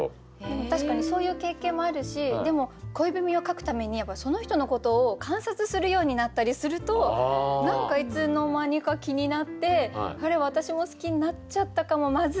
でも確かにそういう経験もあるしでも恋文を書くためにやっぱりその人のことを観察するようになったりすると何かいつの間にか気になって「あれ？私も好きになっちゃったかもまずいな」って。